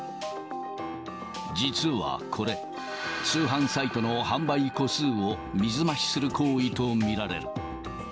実はこれ、通販サイトの販売個数を水増しする行為と見られる。